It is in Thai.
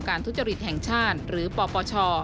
ทุจริตแห่งชาติหรือปปช